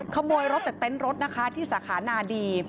ขโมยรถจากเต็นต์รถนะคะที่สาขานาดี